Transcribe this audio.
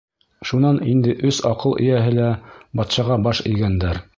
Шунан инде өс аҡыл эйәһе лә батшаға баш эйгәндәр: